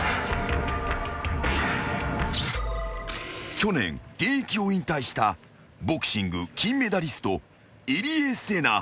［去年現役を引退したボクシング金メダリスト入江聖奈］